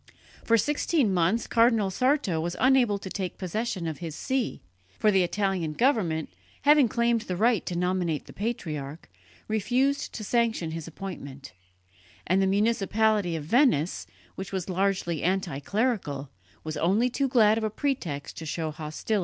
For sixteen months Cardinal Sarto was unable to take possession of his see; for the Italian government, having claimed the right to nominate the patriarch, refused to sanction his appointment; and the municipality of Venice, which was largely anti clerical, was only too glad of a pretext to show hostility to the Church.